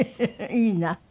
いいな。